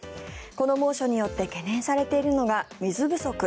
この猛暑によって懸念されているのが水不足。